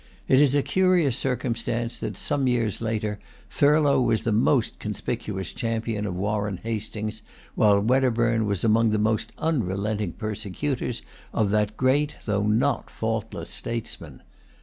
It is a curious circumstance that, some years later, Thurlow was the most conspicuous champion of Warren Hastings, while Wedderburne was among the most unrelenting persecutors of that great though not faultless statesman.